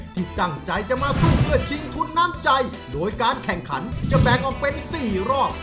ที่ตั้งใจจะมาสู้เพื่อชิงทุนน้ำใจโดยการแข่งขันจะแบ่งออกเป็น๔รอบ